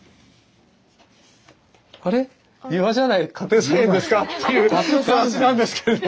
あれっ庭じゃない家庭菜園ですかっていう感じなんですけれども。